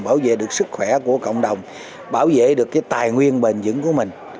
bảo vệ được sức khỏe của cộng đồng bảo vệ được cái tài nguyên bền dững của mình